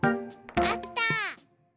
あった。